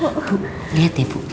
ibu lihat deh ibu